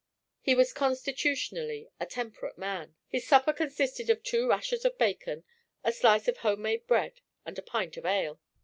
He was constitutionally a temperate man. His supper consisted of two rashers of bacon, a slice of home made bread and a pint of ale.